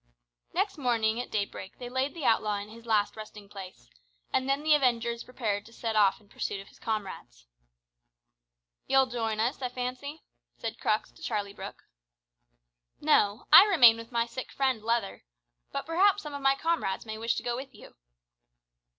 Next morning at daybreak they laid the outlaw in his last resting place, and then the avengers prepared to set off in pursuit of his comrades. "You'll join us, I fancy," said Crux to Charlie Brooke. "No; I remain with my sick friend Leather. But perhaps some of my comrades may wish to go with you."